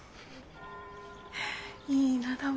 いい名だわ。